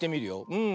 うん。